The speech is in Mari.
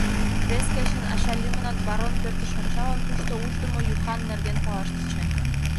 Вес кечын ача лӱмынак барон пӧртыш ончалын, тушто Ушдымо-Юхан нерген палаш тӧчен.